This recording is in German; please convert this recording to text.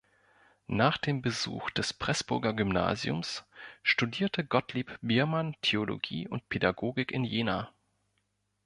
Nach dem Besuch des Pressburger Gymnasiums studierte Gottlieb Biermann Theologie und Pädagogik in Jena.